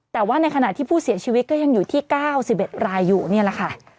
แต่ว่าในขณะที่ผู้เสียชีวิตก็ยังอยู่ที่๙๑รายอยู่นี่แหละค่ะ